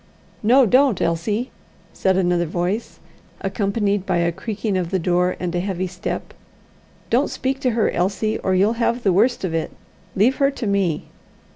"No, don't, Elsie," said another voice, accompanied by a creaking of the door and a heavy step. "Don't speak to her, Elsie, or you'll have the worst of it. Leave her to me.